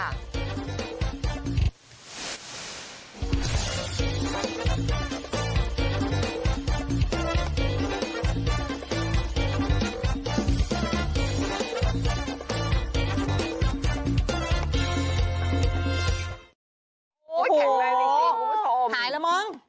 โอ้โฮหายแล้วมอง